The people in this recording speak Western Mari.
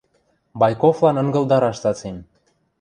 — Байковлан ынгылдараш цацем.